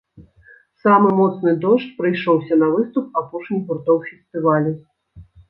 Самы моцны дождж прыйшоўся на выступ апошніх гуртоў фестывалю.